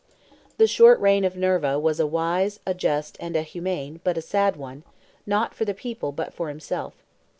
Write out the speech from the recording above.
The short reign of Nerva was a wise, a just, and a humane, but a sad one, not for the people, but for himself.